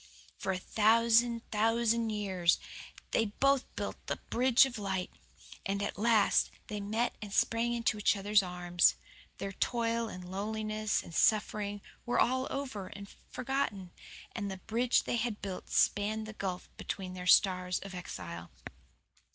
For a thousand thousand years they both built the bridge of light, and at last they met and sprang into each other's arms. Their toil and loneliness and suffering were all over and forgotten, and the bridge they had built spanned the gulf between their stars of exile.